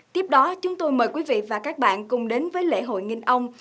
tiếp đó chúng tôi mời quý vị và các bạn cùng đến với lễ hội nghìn ông